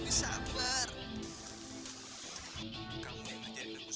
fabrikasi semua itu